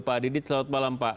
pak didit selamat malam pak